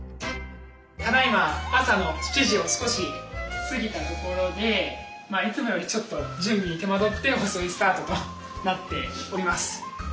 ただいま朝の７時を少し過ぎたところでいつもよりちょっと準備に手間取って遅いスタートとなっております。